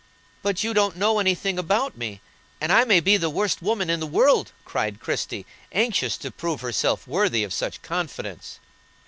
"But you don't know any thing about me, and I may be the worst woman in the world," cried Christie, anxious to prove herself worthy of such confidence.